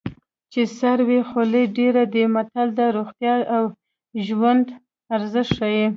چې سر وي خولۍ ډېرې دي متل د روغتیا او ژوند ارزښت ښيي